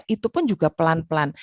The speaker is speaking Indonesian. itu pun juga pelan pelan